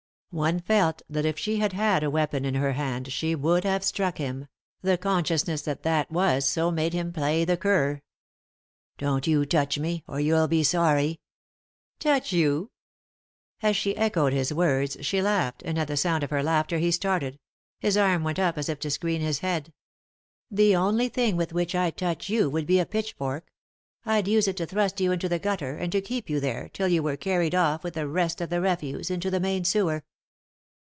One felt that if she had had a weapon in her hand she would have struck him — the conscious ness that that was so made him play the cur. "Don't you touch me— or you'll be sorry." " Touch you I " As she echoed his words she laughed, and at the sound of her laughter he started ; his arm went up as if to screen his head. " The only thing with which I'd touch you would be a pitchfork. I'd use it to thrust you into the gutter, and to keep you there, till you were carried off, with the rest of the refuse, into the main sewer."